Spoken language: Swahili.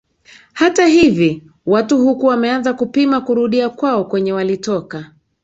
hata hivi watu huku wameanza kupima kurudia kwao kwenye walitoka